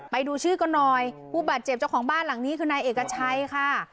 ไปดูชื่อกันหน่อยผู้บาดเจ็บเจ้าของบ้านหลังนี้คือนายเอกชัยค่ะ